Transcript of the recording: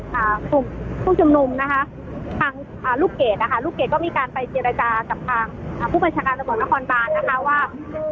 ภูมิชมนุมนะคะทางลูกเกรดนะคะลูกเกรดก็มีการไปเจรจากับทางผู้บัญชาการระบบนครบานนะคะว่า